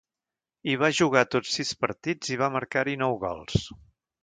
Hi va jugar tots sis partits i va marcar-hi nou gols.